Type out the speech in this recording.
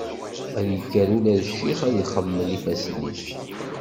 Ad yekker ula d ccix ad ixemmel ifassen-is.